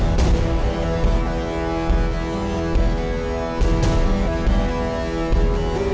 ntar migratedanti mbok